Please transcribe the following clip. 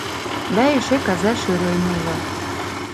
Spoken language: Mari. Да эше каза шӧрем уло.